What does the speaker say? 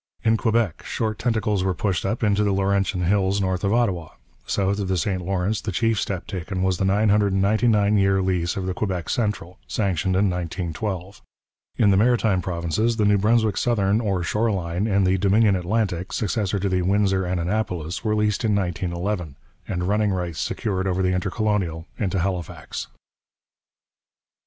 In Quebec, short tentacles were pushed up into the Laurentian hills north of Ottawa; south of the St Lawrence the chief step taken was the 999 year lease of the Quebec Central, sanctioned in 1912. In the Maritime Provinces the New Brunswick Southern or Shore line and the Dominion Atlantic, successor to the Windsor and Annapolis, were leased in 1911, and running rights secured over the Intercolonial into Halifax.